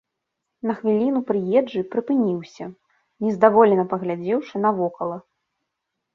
На хвіліну прыезджы прыпыніўся, нездаволена паглядзеўшы навокала.